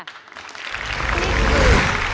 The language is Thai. นี่คือ